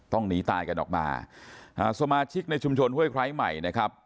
ต้องหนีตายกันออกมาสมาชิกในชุมชนเว้ยไคร้ใหม่นะครับ